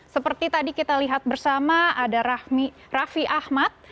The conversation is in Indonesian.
seperti tadi kita lihat bersama ada raffi ahmad